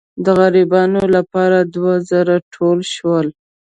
د غریبانو لپاره دوه زره ټول شول.